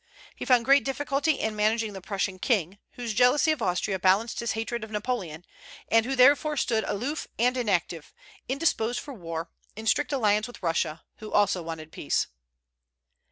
He found great difficulty in managing the Prussian king, whose jealousy of Austria balanced his hatred of Napoleon, and who therefore stood aloof and inactive, indisposed for war, in strict alliance with Russia, who also wanted peace.